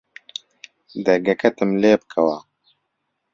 دەرگەکەتم لێ بکەوە